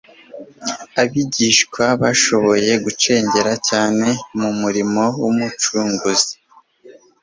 Abigishwa bashoboye gucengera cyane mu murimo w'Umucunguzi.